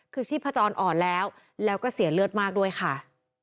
คือชีพจรอ่อนแล้วแล้วก็เสียเลือดมากด้วยค่ะ